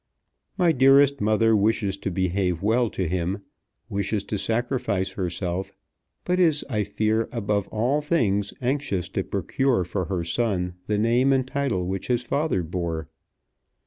My dearest mother wishes to behave well to him, wishes to sacrifice herself; but is, I fear, above all things, anxious to procure for her son the name and title which his father bore.